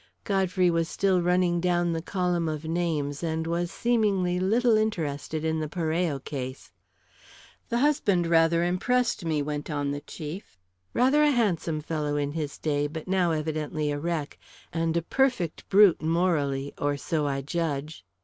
Godfrey was still running down the column of names, and was seemingly little interested in the Parello case. "The husband rather impressed me," went on the chief. "Rather a handsome fellow in his day, but now evidently a wreck and a perfect brute morally or so I judge."